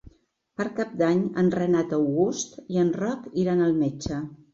Per Cap d'Any en Renat August i en Roc iran al metge.